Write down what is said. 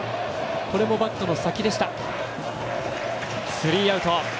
スリーアウト。